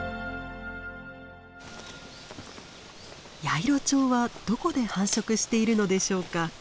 ヤイロチョウはどこで繁殖しているのでしょうか。